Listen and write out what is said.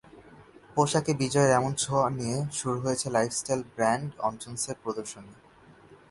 পোশাকে বিজয়ের এমন ছোঁয়া নিয়ে শুরু হয়েছে লাইফ স্টাইল ব্র্যান্ড অঞ্জনসের প্রদর্শনী।